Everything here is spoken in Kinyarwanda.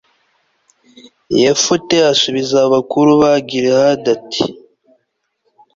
yefute asubiza abakuru ba gilihadi, ati